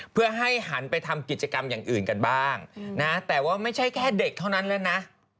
เพื่อให้หันไปทำกิจกรรมอย่างอื่นกันบ้างนะแต่ว่าไม่ใช่แค่เด็กเท่านั้นแล้วนะ